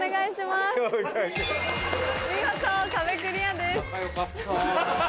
見事壁クリアです。